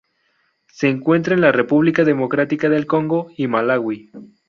Se encuentra en la República Democrática del Congo y Malaui.